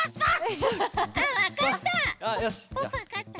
あっわかった！